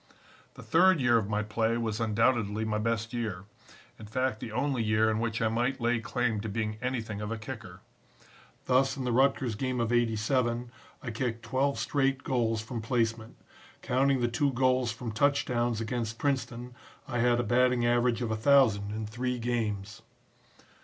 "The third year of my play was undoubtedly my best year; in fact the only year in which I might lay claim to being anything of a kicker. Thus in the Rutgers game of '87 I kicked twelve straight goals from placement. Counting the two goals from touchdowns against Princeton I had a batting average of 1000 in three games.